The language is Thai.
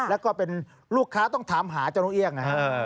แล้วก็เป็นลูกค้าต้องถามหาเจ้าน้องเยี่ยง